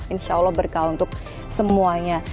insya allah berkah untuk semuanya